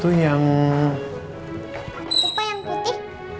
apa yang putih